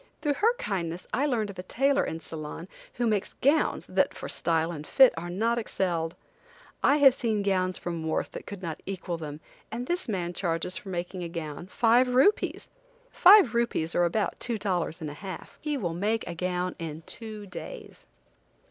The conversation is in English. Through her kindness I learned of a tailor in Ceylon who makes gowns, that for style and fit are not excelled. I have seen gowns from Worth that could not equal them, and this man charges for making a gown, five rupees! Five rupees are about two dollars and a half. He will make a gown in two days.